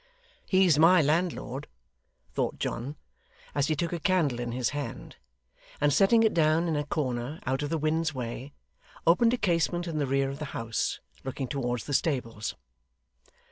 'He's my landlord,' thought John, as he took a candle in his hand, and setting it down in a corner out of the wind's way, opened a casement in the rear of the house, looking towards the stables.